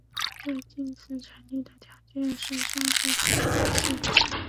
这近似成立的条件是上述不等式。